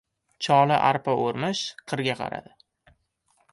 Choli arpa o‘rmish qirga qaradi.